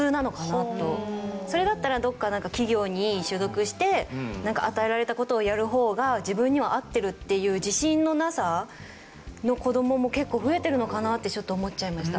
それだったらどこか企業に所属してなんか与えられた事をやる方が自分には合ってるっていう自信のなさの子どもも結構増えてるのかなってちょっと思っちゃいました。